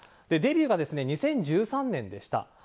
デビューが２０１３年でした。